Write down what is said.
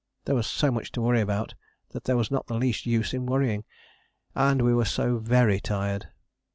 There was so much to worry about that there was not the least use in worrying; and we were so very tired.